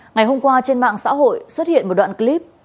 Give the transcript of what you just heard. ngày hôm qua trên mạng xã hội xuất hiện một đoạn clip